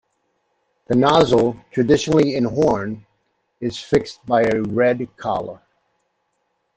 The nozzle, traditionally in horn, is fixed by a red collar.